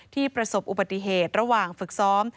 ประสบอุบัติเหตุระหว่างฝึกซ้อม